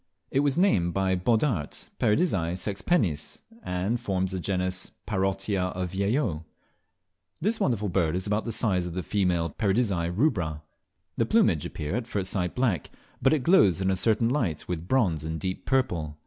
It was named by Boddaert, Paradisea sexpennis, and forms the genus Parotia of Viellot. This wonderful bird is about the size of the female Paradisea rubra. The plumage appear, at first sight black, but it glows in certain light with bronze and deep purple.